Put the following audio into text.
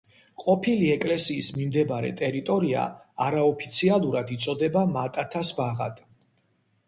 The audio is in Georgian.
ყოფილი ეკლესიის მიმდებარე ტერიტორია არაოფიციალურად იწოდება მატათას ბაღად.